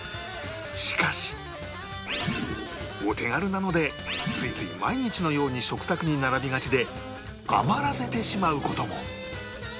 しかしお手軽なのでついつい毎日のように食卓に並びがちで余らせてしまう事も